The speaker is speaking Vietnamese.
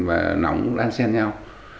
và nóng lan xen nhau